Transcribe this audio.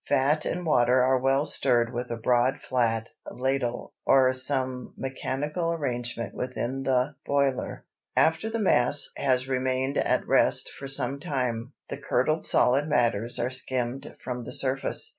Fat and water are well stirred with a broad flat ladle or some mechanical arrangement within the boiler. After the mass has remained at rest for some time, the curdled solid matters are skimmed from the surface.